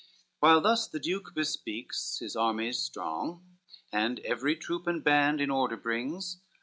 While thus the Duke bespeaks his armies strong, And every troop and band in order brings.